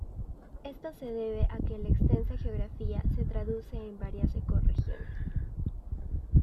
Esto se debe a que la extensa geografía se traduce en varias ecorregiones.